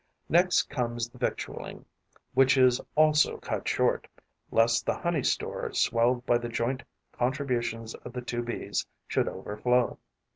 Next comes the victualling, which is also cut short, lest the honey store swelled by the joint contributions of the two Bees should overflow.